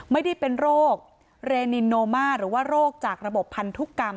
ไม่ได้เป็นโรคเรนินโนมาหรือว่าโรคจากระบบพันธุกรรม